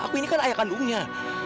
aku ini kan ayah kandungnya